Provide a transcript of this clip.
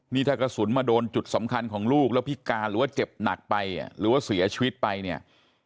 นี่ถ้ากระสุนมาโดนจุดสำคัญของลูกแล้วพิการหรือว่าเจ็บหนักไปหรือว่าเสียชีวิตไปเนี่ย